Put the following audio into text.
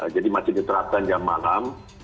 jadi masih diterapkan jam malam